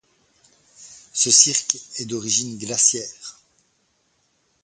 Ce cirque est d'origine glaciaire.